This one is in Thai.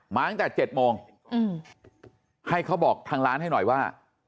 ๗โมงให้เขาบอกทางร้านให้หน่อยว่า